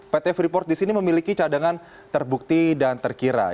pt freeport di sini memiliki cadangan terbukti dan terkirai